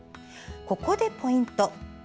ここでポイント。